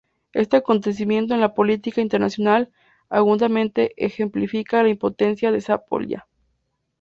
Este acontecimiento en la política internacional agudamente ejemplifica la impotencia de Zápolya.